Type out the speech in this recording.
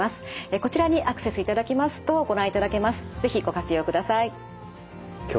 こちらにアクセスいただきますとご覧いただけます。